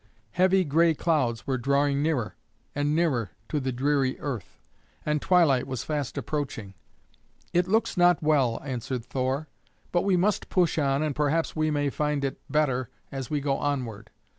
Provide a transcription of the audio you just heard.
Heavy gray clouds were drawing nearer and nearer to the dreary earth, and twilight was fast approaching. "It looks not well," answered Thor, "but we must push on and perhaps may find it better as we go onward.